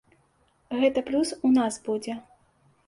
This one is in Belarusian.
Гэта плюс у нас будзе.